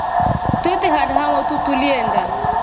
Twete handu hamotu tuliindaa.